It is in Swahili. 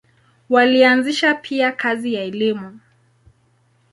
Walianzisha pia kazi ya elimu.